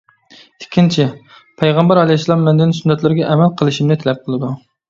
ئىككىنچى: پەيغەمبەر ئەلەيھىسسالام مەندىن سۈننەتلىرىگە ئەمەل قىلىشىمنى تەلەپ قىلىدۇ.